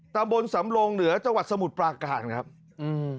ตำบลสำรงเหนือจังหวัดสมุทรปราการครับอืม